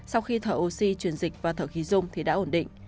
sau khi thở oxy truyền dịch và thở khí dung thì đã ổn định